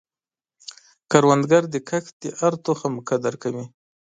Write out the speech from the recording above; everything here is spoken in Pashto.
کروندګر د کښت د هر تخم قدر کوي